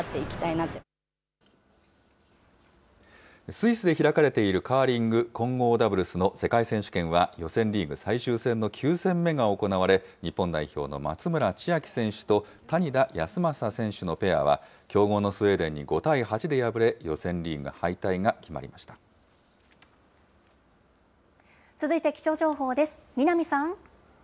スイスで開かれているカーリング混合ダブルスの世界選手権は予選リーグ最終戦の９戦目が行われ、日本代表の松村千秋選手と谷田康真選手のペアは、強豪のスウェーデンに５対８で敗れ、予選リ続いて気象情報です。